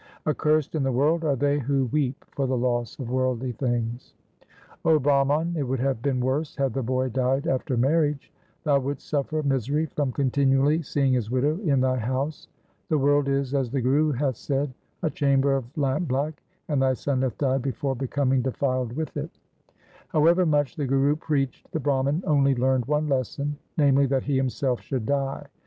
1 Accursed in the world are they who weep for the loss of worldly things. 2 'O Brahman, it would have been worse had the boy died after marriage. Thou wouldst suffer misery from continually seeing his widow in thy house. The world is, as the Guru hath said, a chamber of lamp black, and thy son hath died before becoming defiled with it.' However much the Guru preached, the Brahman only learned one lesson, namely, lhat he himself should die.